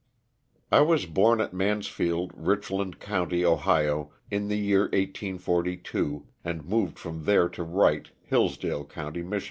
T WAS born at Mansfield, Richland county, Ohio, in the year 1843, and moved from there to Wright, Hillsdale county, Mich.